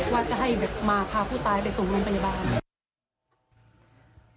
ว่าจะให้มาพาผู้ตายไปส่งโรงพยาบาล